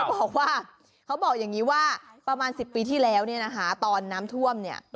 บอกว่าเขาบอกอย่างนี้ว่าประมาณ๑๐ปีที่แล้วเนี่ยนะคะตอนน้ำท่วมเนี่ย